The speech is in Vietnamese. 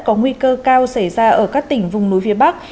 có nguy cơ cao xảy ra ở các tỉnh vùng núi phía bắc